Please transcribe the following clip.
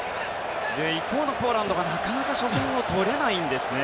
一方、ポーランドはなかなか初戦を取れない。